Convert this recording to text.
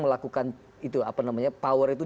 melakukan itu apa namanya power itu